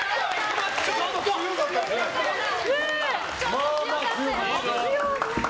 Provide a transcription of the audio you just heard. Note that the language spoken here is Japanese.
ちょっと強かったですね。